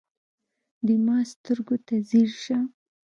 د ما سترګو ته ځیر شه